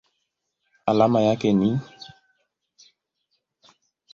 Alama yake ni Ni.